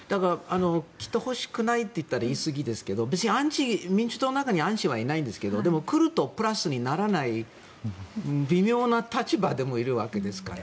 来てほしくないと言ったら違いますが別に民主党の中にアンチはいないんですけどでも来るとプラスにならない微妙な立場でもいるわけですから。